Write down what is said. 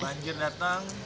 kalau banjir datang